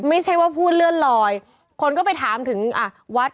ไม่ใช่ว่าพูดเลื่อนลอยคนก็ไปถามถึงอ่ะวัด